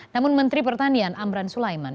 namun menteri pertanian amran sulaiman